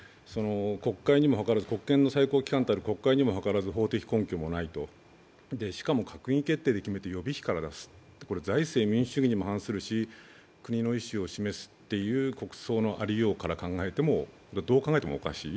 つまり、国権の最高機関たる国会にも諮らず法的根拠もないと、しかも閣議決定で決めて予備費から出す、これ税制民主主義にも反するし国の意思を示すという国葬のありようから考えても、どう考えてもおかしい。